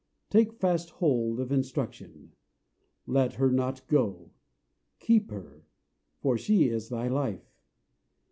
Take fast hold of instruction; Let her not go: Keep her; For she is thy life.